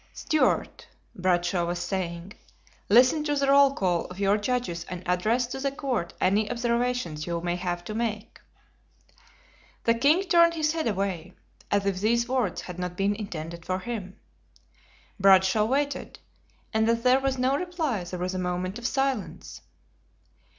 "Stuart," Bradshaw was saying, "listen to the roll call of your judges and address to the court any observations you may have to make." The king turned his head away, as if these words had not been intended for him. Bradshaw waited, and as there was no reply there was a moment of silence.